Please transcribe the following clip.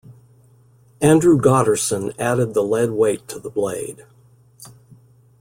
Andrew Gotterson added the lead weight to the blade.